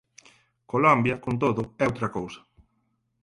Colombia, con todo, é outra cousa.